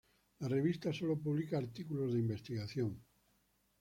La revista solo publica artículos de investigación.